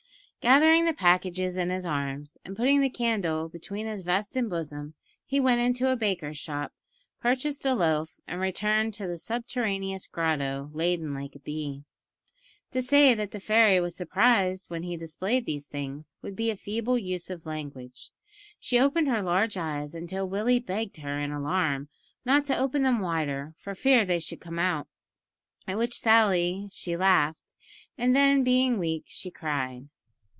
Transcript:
Gathering the packages in his arms, and putting the candle between his vest and bosom, he went into a baker's shop, purchased a loaf, and returned to the "subterraneous grotto" laden like the bee. To say that the fairy was surprised when he displayed these things, would be a feeble use of language. She opened her large eyes until Willie begged her in alarm not to open them wider for fear they should come out, at which sally she laughed, and then, being weak, she cried.